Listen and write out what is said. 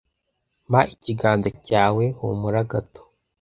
Mpa ikiganza cyawe, humura gato,